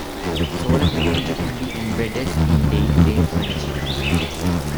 Solar technology can be embedded in day to day furniture.